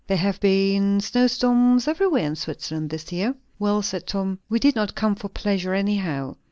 "There have been snow storms everywhere in Switzerland this year." "Well," said Tom, "we did not come for pleasure, anyhow.